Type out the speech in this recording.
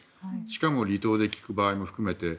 しかも離島で聞く場合も含めて。